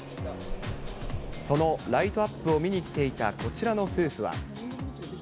そのライトアップを見に来ていたこちらの夫婦は。